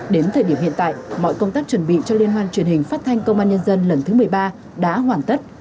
đến thời điểm hiện tại mọi công tác chuẩn bị cho liên hoan truyền hình phát thanh công an nhân dân lần thứ một mươi ba đã hoàn tất